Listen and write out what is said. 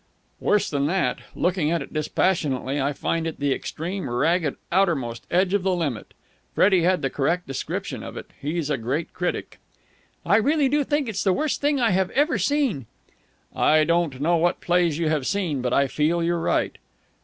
"Worse than that. Looking at it dispassionately, I find it the extreme, ragged, outermost edge of the limit. Freddie had the correct description of it. He's a great critic." "I really do think it's the worst thing I have ever seen." "I don't know what plays you have seen, but I feel you're right."